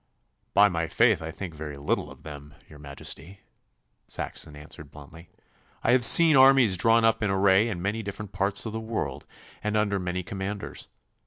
'By my faith, I think very little of them, your Majesty,' Saxon answered bluntly. 'I have seen armies drawn up in array in many different parts of the world and under many commanders.